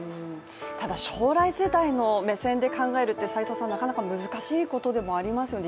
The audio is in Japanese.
ただ将来世代の目線で考えるってなかなか難しいことでもありますよね。